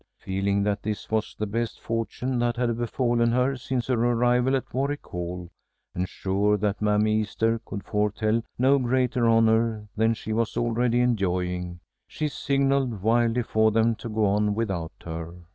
Feeling that this was the best fortune that had befallen her since her arrival at Warwick Hall, and sure that Mammy Easter could foretell no greater honor than she was already enjoying, she signalled wildly for them to go on without her.